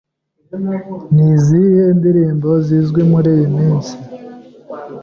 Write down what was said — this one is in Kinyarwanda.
Ni izihe ndirimbo zizwi muri iyi minsi?